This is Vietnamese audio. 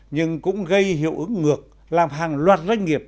nhưng cũng gây hiệu ứng ngược làm hàng loạt doanh nghiệp